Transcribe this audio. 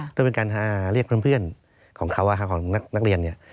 เพื่อเป็นการเรียกเพื่อนของเขาของนักเรียนเนี่ย